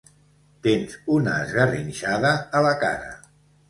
Tens una esgarrinxada a la cara.